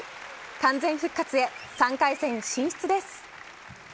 完全復活へ、３回戦進出です。